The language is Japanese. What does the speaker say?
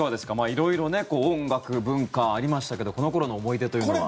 色々音楽、文化ありましたけどこの頃の思い出というのは。